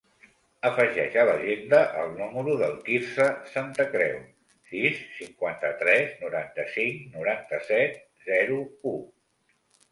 Afegeix a l'agenda el número del Quirze Santacreu: sis, cinquanta-tres, noranta-cinc, noranta-set, zero, u.